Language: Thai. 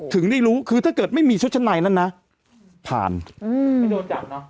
ถึงได้รู้คือถ้าเกิดไม่มีชุดชั้นในนั้นนะผ่านอืมไม่โดนจับเนอะ